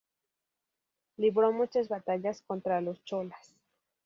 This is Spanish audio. Libró muchas batallas contra los cholas.